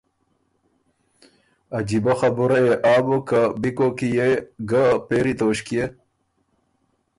عجیبۀ خبُره يې آ بُک که بی کوک کی يې ګه پېری توݭکيې